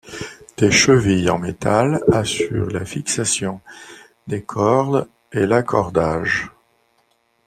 Des chevilles en métal assurent la fixation des cordes et l'accordage.